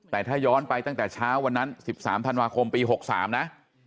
แต่ถ้าย้อนไปตั้งแต่เช้าวันนั้น๑๓ธันวาคมปี๖๓นะ